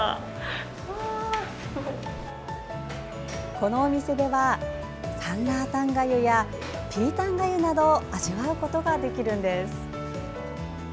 このお店では、サンラータン粥やピータン粥などを味わうことができるんです。